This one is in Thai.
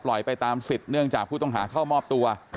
ไปตามสิทธิ์เนื่องจากผู้ต้องหาเข้ามอบตัว